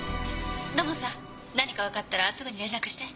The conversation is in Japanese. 「土門さん何かわかったらすぐに連絡して」